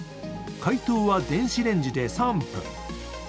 解凍は電子レンジで３分。